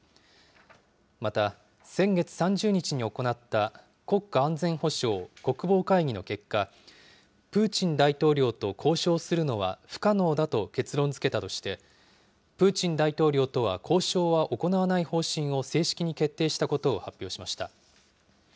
また、先月３０日に行った国家安全保障・国防会議の結果、プーチン大統領と交渉するのは不可能だと結論づけたとして、プーチン大統領とは交渉は行わない方針を正式に決定したことを発表しました。